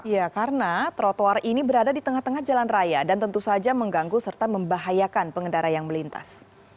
ya karena trotoar ini berada di tengah tengah jalan raya dan tentu saja mengganggu serta membahayakan pengendara yang melintas